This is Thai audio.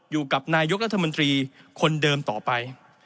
อยู่กับนายกรัฐมนตรีคนเดิมต่อไป